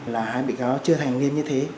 là hai bị cáo chưa thành nghiêm như thế